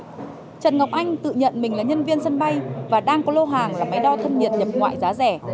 trần ngọc anh tự nhận mình là nhân viên sân bay và đang có lô hàng là máy đo thân nhiệt nhập ngoại giá rẻ